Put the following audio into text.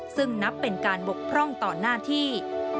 ซึ่งนับเป็นการบกพร่องต่อหน้าที่